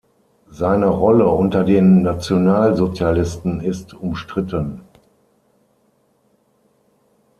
Seine Rolle unter den Nationalsozialisten ist umstritten.